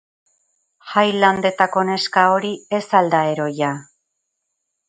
Highlandetako neska hori ez al da heroia?